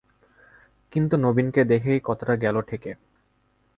কিন্তু নবীনকে দেখেই কথাটা গেল ঠেকে।